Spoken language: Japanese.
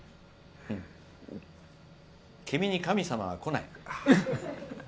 君に神様は来ない。